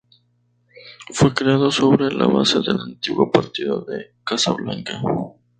Fue creado sobre la base del antiguo Partido de Casablanca.